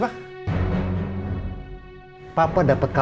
bagaimana dengan aku